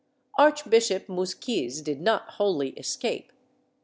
^ Archbishop Muzquiz did not wholly escape.